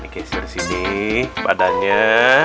geser sini badannya